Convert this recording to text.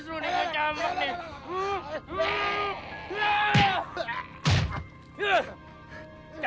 jangan campur campur ando